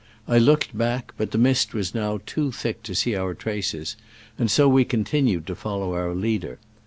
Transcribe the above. I looked back, but the mist was now too thick to see our traces, and so we con tinued to follow our leader.